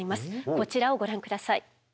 こちらをご覧下さい。